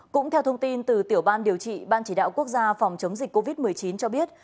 cũng theo thông tin từ tiểu ban điều trị ban chỉ đạo quốc gia phòng chống dịch covid một mươi chín cho biết